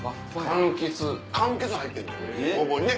かんきつ入ってるゴボウにね。